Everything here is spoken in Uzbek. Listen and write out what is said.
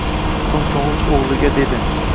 Soʻng toʻngʻich oʻgʻliga dedi.